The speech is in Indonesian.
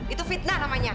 itu fitnah namanya